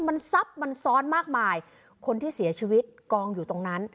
มันซับมันซ้อนมากมายคนที่เสียชีวิตกองอยู่ตรงนั้น